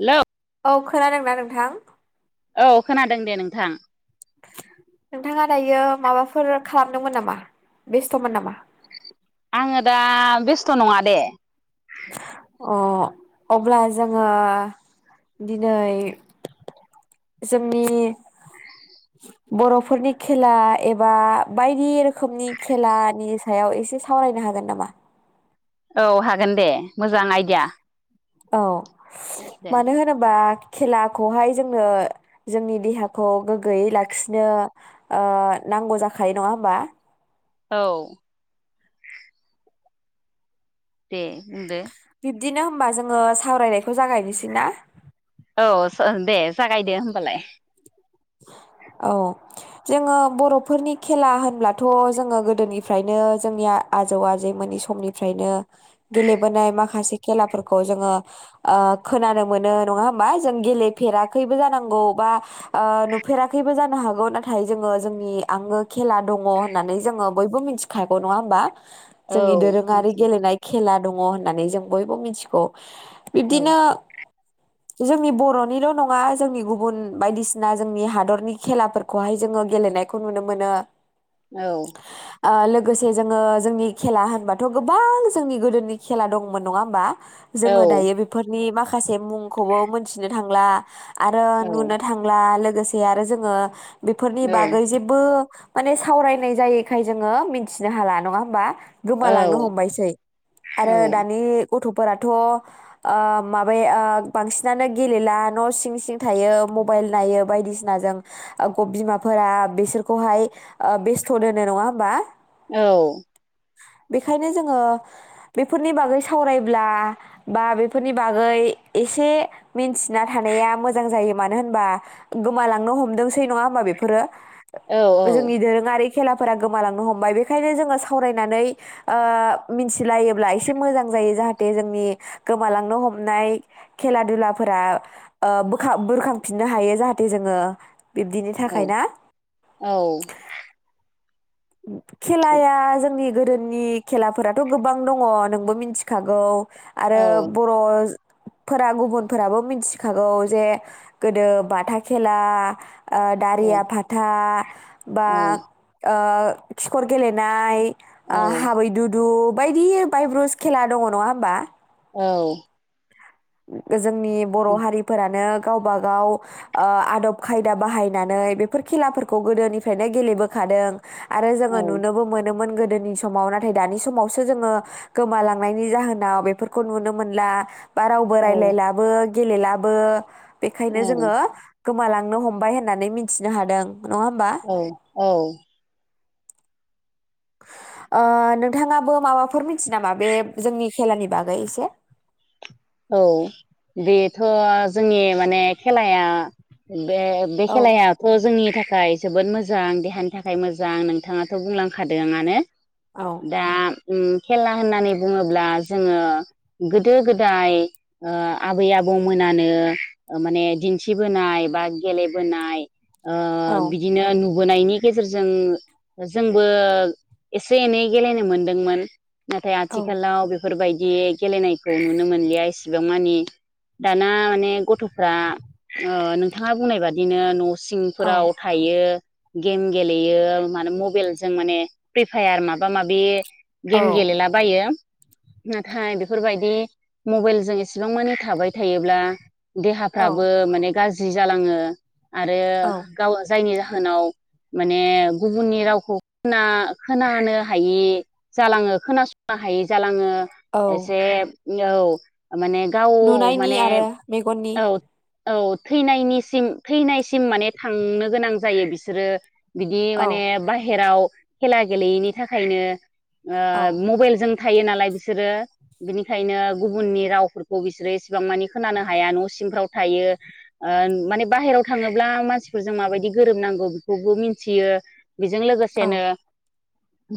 हेल! औ खोनादोंना नोंथां? औ खोनादों दे नोंथां। नोंथाङा दायो माबाफोर खालामदोंमोन नामा बेस्थमोन नामा? आङो दा बेस्थ नङा दे। अ अब्ला जोङो दिनै जोंनि बरफोरनि खेला एबा बायदि रोखोमनि खेलानि सायाव एसे सावरायनो हागोन नामा? औ हागोन दे मोजां आइडिया। औ। मानो होनोबा खेलाखौहाय जोंनो जोंनि देहाखौ गोग्गोयै लाखिनो ओ नांगौ जाखायो नङा होमबा? औ। दे बुंदो। बिब्दिनो होमबा जोङो सावरायनायखौ जागायनोसै ना? औ स दे जागायदो होमबालाय। औ जोङो बरफोरनि खेला होनब्लाथ जोङो गोदोनिफ्रायनो जोंनिया आजौ आजैमोननि समनिफ्रायनो गेलेबोनाय माखासे खेलाफोरखौ जोङो ओ खोनानो मोनो नङा होमबा जोङो गेलेफेराखैबो जानांगौ बा ओ नुफेराखैबो जानो हागौ नाथाय जोङो जोंनि आंगो खेला दङ होननानै जोङो बयबो मिथिखागौ नङा होमबा? औ जोंनि दोरोङारि मिथियो गेलेनाय खेला दङ होननानै जों बयबो मिथिगौ। औ बिब्दिनो जोंनि बरनिल नङा जोंनि गुबुन बायदिसि ना जोंनि हादरनि खेलाफोरखौहाय जोङो गेलेनायखौ नुनो मोनो। औ। ओ लोगोसे जोङो जोंनि खेला होनबाथ गोबां जोंनि गोदोनि खेला दंमोन नङा होमबा। औ जोङो दायो बेफोरनि माखा माखासे मुंखौबो मोनथिनो थांला। आरो औ नुनो थां लोगोसे आरो जोङो बेफोरनि औ बागै जेबो माने सावरायनाय जायैखाय जोङो मिथिनो हाला नङा होमबा? गोमालांनो औ हमबायसै औ आरो दानि गथफोराथ माबा बांसिनानो गेलेला न सिं सिं थायो म मबाइल नायो बायदिसिनाजों बिमाफोरा बिसोरखौहाय बेस्थ दोनो नङा होमबा औ बेखायनो जोङो बेफोरनि बागै सावरायब्ला बा बेफोरनि बागै एसे मिन्थिना थानाया मोजां जायो मान मानो होनबा गोमालांनो हमदोंसै नङा होमबा बेफोरो औ औ जोंनि दोरोङारि खेलाफोरा गोमालांनो हमबाय बेखायनो जोङो सावरायनानै ओ मिथिलायोब्ला एसे मोजां जायो जाहाथे जोंनि गोमालांनो हमनाय खेला दुलाफोरा ओ बो-बुरखां फिननो हायो जाहाथे जोङो। बिब्दिनि औ थाखाय ना औ खेलाया जोंनि गोदोनि खेलाफोराथ गोबां दङ नोंबो मिथिखागौ। आरो बर' फोर गुबुनफोराबो मिथिखागौ जे गोदो बाथा खेला ओ दारिया फाथा बा ओ खिखर गेलेनाय। आ हाबैदुदु बायदि बायब्रुस खेला दङ नङा होनोमबा। औ। गोज जोंनि बर' हारिफोरानो गावबागाव ओ आदब खायदा बाहायनानै बेफोर खेलाफोरखौ गोदोनिफ्रायनो गेलेबोखादों। आरो जोङो नुनोबो मोनोमोन गोद गोदोनि समाव नाथाय दानि समावसो जोङो गोमालांनायनि जाहोनाव बेफोरखौ नुनो मोनला। बा रावबो रायज्लायलाबो। गेलेलाबो। बेखायनो औ जोङो गोमालांनो हमबाय होननानै मिथिनो हादों। नङा होमबा। औ औ। ओ नोंथाङाबो माबाफोर मिथि नामा बे जोंनि खेलानि बागै एसे? औ बेथ' जोंनि माने खेलाया बे बे औ खेलायाथ जोंनि थाख थाखाय जोबोद मोजां देहानि थाखाय मोजां नोंथाङाथ बुंलांखादोंआनो। औ दा ओम खेला होननानै बुङोब्ला जोङो गोदो गोद दाय ओ आबै आबौमोनानो माने दिन्थिबोनाय बा गेलेबोनाय ओ औ बिदिनो नु बोनायनि गेजेरजों जोंबो एसे एनै गेलेनो मोनदोंमोन। नाथाय औ आथिखालाव बे फोरबायदि गेलेनाय नुनो मोनलिया इस सेबां मानि दाना माने गथफ्रा नोंथाङा बुंनाय बादिनो न' सिंफोराव थायो गेम गेलेयो माने मबाइलजों माने फ्रि फायार माबा माबि औ गेम गेलेलाबायो। नाथाय बेफोरबायदि मबाइलजों एसेबां मानि थाबाय थायोब्ला औ देहाफ्राबो माने गाज्रि जालाङो। आरो औ गाव जायनि जा जाहोनाव माने गुबुननि रावखौ खोना‌-खोनानो हायै जालाङो खोनासंनो हायै जालाङो। औ एसे औ माने गाव नुनायनि माने आरो मेगननि औ औ थैनायनिसिम थैनायसिम माने थांनो गोनां जायो बिसोरो। बिदि औ माने बाहेराव खेला गेलेयैनि थाखायनो औ ओ‌ मबाइलजों थायो नालाय बिसोरो बिनि खायनो गुबुननि रावफोरखौ बिसोरो एसेबां मानि खोनानो हाया न' सिंफ्राव थायो ओ माने बाहेराव थाङोब्ला मानसिफोरजों माबायदि गोरोबनांगौ बेखौबो मिथियो। बेजों औ लोगोसेनो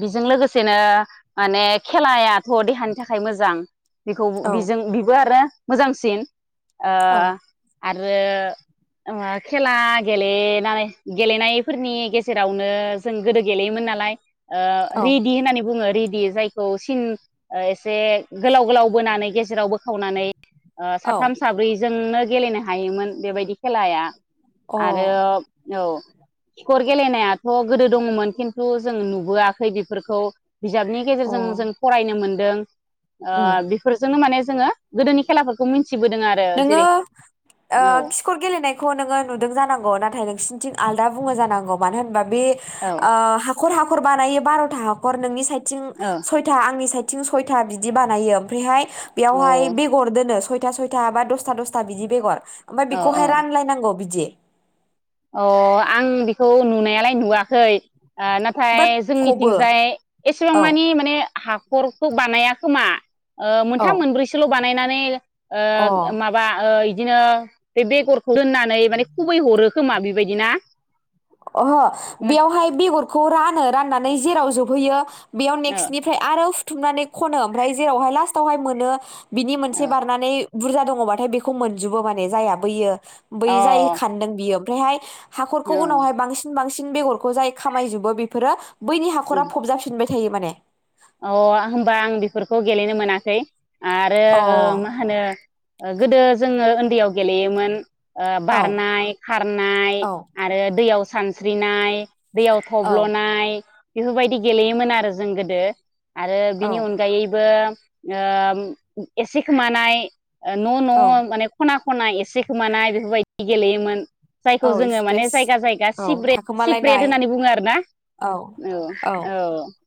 बेजों लोगोसेनो माने खेलाया थ' देहानि थाखाय मोजां खौ औ बिजों बिबो [unintelligible] मोजांसिन ओ औ आरो ओ खेला गेलेनानै गेलेनायफोरनि गेजेरावनो जों गोदो गेलेयोमोन नालाय ओ रेदि होननानै बुङो रेदि जायखौ सिन ओ एसे गोलाव गोलाव बोनानै गेजेराव बोखावनानै ओ औ अ साथाम साब्रैजोंनो गेलेनो हायोमोन बेबायदि खेलाया। आरो औ। खिखर गेलेनायाथ गोदो दङमोन खिन्थु जों नुबोआखै बेफोरखौ, बिजाबनि अ गेजेरजों जों फरायनो मोन दों। ओ उम बेफोरजोंनो माने जोङो गोदोनि खेलाफोरखौ [unintelligible] आरो नोङो जेरै ओ औ खिखर गेलेनायखौ नोङो नुदों जानांगौ नाथाय नोंसिन्थिं आलदा बुङो जानांगौ मानो होनबा बे औ आह [unintelligible] खर हाखर बानायो बारथा हाखर नोंनि साइद थिं औ अ सयथा आंनि साइद थिं सयथा बिदि बानायो ओमफ्रायहाय औ बेयावहाय बेगर दोनो सय [unintelligible] था बा दसथा दसथा बिदि बेगर। ओमफाय बेखौहाय रानलायनांगौ बिदि, [inaudible] अह आं बेखौ नुनायालाय नुवाखै, ओ नाथाय ओमफ्राय फबो जोंनिथिंजाय एसेबां औ मानि माने हा खरखौ बानाया खोमा, ओ औ मोनथाम मोनब्रैसोल बानायनानै अ ओ माबा ओ दिनो बे बेगर दोननानै माने खुबै हरो। खोमा बेबायदि ना? अह ना बेयावहाय बेगरखौ रानो राननानै जेराव ज हैयो बेयाव औ नेक्सनिफ्राय आरो हुथुमनानै खनो ओमफ्राय जेरावहाय लास्टावहाय मोनो बिनि मोनसे बारनानै बुरजा दङ बाथाय बेखौ मोनजोबो माने जाया बैयो, बै औ जाय खानदों बियो। बेहाय हाखरखौ अ उनावहाय बांसिन बेगरखौ जाय खामायजोबो बेफोरो बैनि औ हाखरा फबजाफिनबाय थायो माने अ होमबा आं बेफोरखौ गेलेनो मोनाखै आरो अ औ ओ मा होनो ओ गोदो जोङो उन्दैयाव गेलेयोमोन ओ औ बारनाय खारनाय आरो दैयाव सानस्रिनायनाय दैयाव औ थब्लनाय बेफोरबायदि गेलेयोमोन आरो जों गोदो आरो बिनि औ अनगायैबो ओम एसे खोमानाय ओ न न औ माने खना खना एसे खोमानाय बेफोरबायदि गेलेयोमोन जायखौ औ जोङो माने स्ट्रेस जायगा जायगा औ सिब्रेट सिप्रेट थाखोमालायनाय होननानै बुङो आरोना औ औ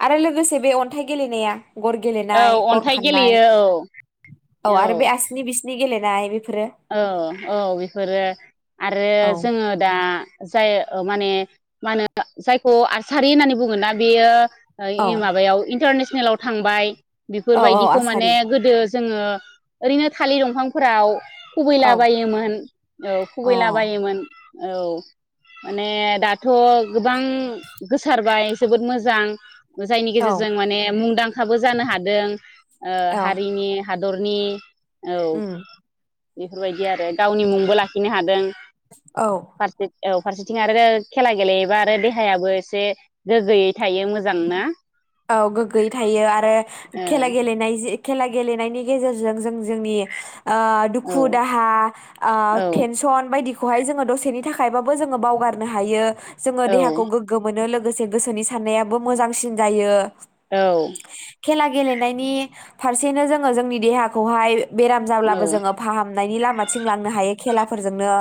आरो लो गोसे बे अन्थाइ गेलेनाया गर औ गेलेनाय गर अन्थाइ खाननाय गेलेयो औ औ आरो बे आसिनि बिसिनि गेले [unintelligible] [unintelligible] ओ औ बेफोरो आरो औ जोङो दा जाय ओ माने मा होनो जायखौ आरसारि होननानै बुङोना बेयो औ ओइ माबायाव इन्टारनेस नेलाव थांबाय औ औ बेफोरबायदिखौ माने आसारि गोदो जोङो ओरैनो थालि दंफांफोराव खुबैला औ बायोमोन औ अ खुबैला बायोमोन औ माने दाथ गोबां गोसारबाय जोबोद मोजां जायनि औ गेजेरजों माने मुंदांखाबो जानो हादों ओ औ हारिनि हादरनि औ उम बेफोरबायदि आरो गावनि मुंबो लाखिनो हादों। औ फारसेथि औ फारसेथिं आरो खेला गेलेयोबा आरो देहायाबो एसे गोग्गोयै थायो मोजां ना औ गोग्गोयै थायो आरो खेला गेलेनाय जि खेला गेलेनायनि गेजेरजों जों जोंनि ओ ओ दुखु दाहा ओ औ थेनसन बायदि खौहाय जोङो दसेनि थाखायबाबो जोङो बावगारनो हायो। जोङो औ देहाखौ गोग्गो मोनो लोगो लोगोसे गोसोनि साननाया बो मोजांसिन जायो। औ खेला गेलेनायनि फारसेनो जोङो जोंनि देहाखौहाय बेराम औ जाब्लाबो जोङो फाहामनायनि लामाथिं लांनो हायो। खेलाफोरजोंनो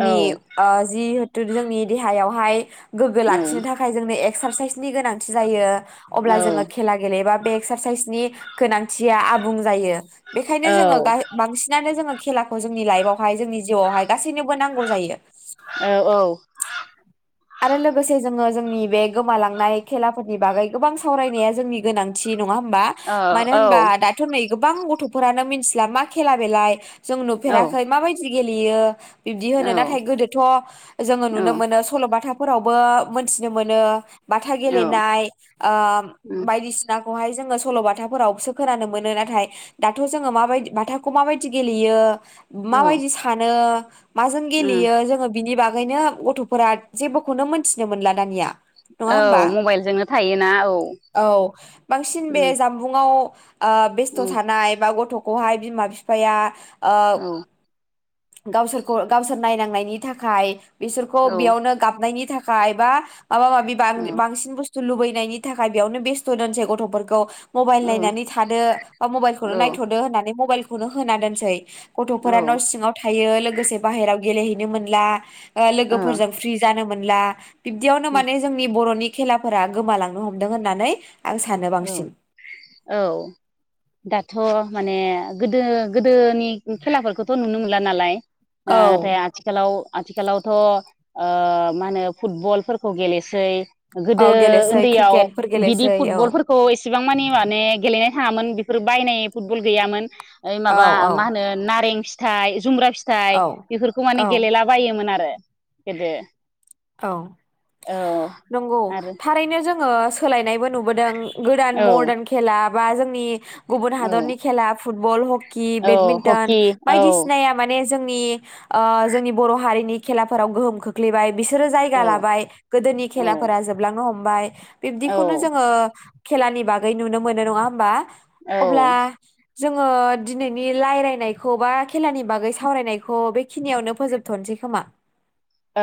औ ओ जि [unintelligible] जोंनि देहायावहाय गोग्गो औ लाखिनो थाखाय जोंनो एक एकसारसाइस नि गोनांथि जायो। औ अब्ला जोङो खेला गेलेबा बे एक्सारसाइसनि गोनांथिया आबुं जायो। बेखायनो जोङो औ गाय बांसिनानो जोङो खेलाखौ जोंनि लाइबआव हाय जोंनि जिउआवहाय गासैनोबो नांगौ जायो। औ आरो लोगोसे जोङो जोंनि बे गोमालांनाय खेलाफोरनि बागै गोबां सावरायनाया जोंनि गोनांथि। नङा होमबा मानो होनबा दाथ' नै गोबां गथ'फोरानो मिथिला मा खेला बेलाय? जों नुफेराखै माबायदि गेलेयो। बिब्दि होनो औ नाथाय गोदोथ' जोङो औ नुनो मोनो सल' बाथ फोरावबो मोनथिनो मोनो। बाथा गेलेनाय ओ बायदिसिनाखौहाय जोङो सल' बाथाफोरावसो खोनानो मोनो नाथाय दाथ' जोङो माबायदि बाथाखौ माबायदि गेलेयो? औ माबायदि सानो माजों गेलेयो जोङो बिनि बाग गैनो गथ'फोरा जेबोखौनो मोनथिनो मोनला दानिया। नङा औ होमबा? मबाइलजोंनो थायोना औ औ बांसिन बे जामबुंआव ओ बेस्थ औ थानाय बा गथ' खौहाय बिमा बिफाया ओ औ गावसोरखौ गावसोर नायनांनायनि थाखाय बिसोरखौ औ बियावनो नायनि थाखाय बा माबा-माबि बां-बांसिन बुस्थ लुबैनायनि थाखाय बेयावनो बेस्थ दोनसै गथफोरखौ मबाइल औ नायनानै थादो बा मबाइल खौनो नायथदो होननानै मबाइल खौनो होना दोनसै गथ'फोरा न' सिंङाव थायो लोगोसे बाहेराव गेलेहैनो मोनला ओ लोगोफोरजों फ्रि जानो मोनला बिब्दियावनो माने जोंनि बर'नि खेलाफोरा गोमालांनो हमदों होननानै आं सानो औ बांसिन औ दाथ माने गोदो गोदोनि खेलाफोरखौथ नुनो मोनला नालाय औ नाथाय आथिखालाव आथिखालावथ ओ मा होनो फुटबलफोरखौ गेलेसै औ गोदो गेलेसै उन्दैयाव क्रिकेटफोर बिदि गेलेसै औ फुटबलफोर खौ एसेबां मानि माने गेलेनाय थाङामोन बेफोर बायनाय फुटबल गैयामोन ओइ औ माबा औ मा होनो नारें फिथाय जुमब्रा फिथाइ औ बेफोरखौ माने औ गेलेला बायोमोन आरो गोदो औ औ नंगौ आरो थारैनो जोङो सोलायनायबो नुबोदों गोदान औ मरदान खेला बा जोंनि गुबुन औ हादरनि खेला फुटबल ह हकि, औ बेदमिन्टन हकि औ बायदिसिनाया माने जोंनि ओ जोंनि बर' हारिनि खेलाफोराव गोहोम खोख्लैबाय बिसोरो जायगा लाबाय गोदोनि औ खेलाफोरा जोबलांनो हम बाय औ बिब्दिखौनो जोङो खेलानि बागै नुनो मोनो नङा होमबा अब्ला औ जोङो दिनैनि रायलयनायखौ बा खेलानि बागै सावरायनायखौ बेखिनियावनो फोजोबथनोसै खोमा।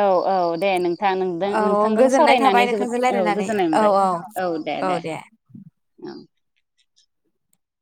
औ औ दे नोंथां नोंदों औ नोंथांजों गोजोननाय थाबाय सावरायनानै जोबोद नोंथांजों औ रायलायनानै गोजोननाय औ मोनबाय औ औ दे दे औ।